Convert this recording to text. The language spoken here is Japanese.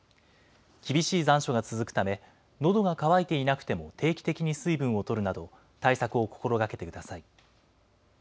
厳しい残暑が続くため、のどが渇いていなくても定期的に水分をとるなど、対策を心がけてください。